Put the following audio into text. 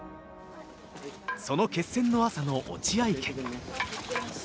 その決戦の朝の落合家。